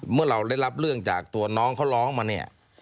เมื่อเราได้รับเรื่องจากตัวน้องเขาร้องมาเนี่ย